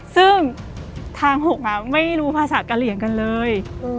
ซึ่งทาง๖ไม่รู้ภาษากะเหลี่ยงกันเลย